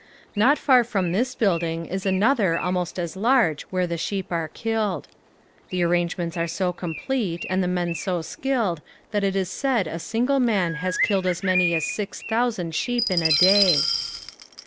Not far from this building is another almost as large where the sheep are killed. The arrangements are so complete and the men so skilled that it is said a single man has killed as many as six thousand sheep in a day.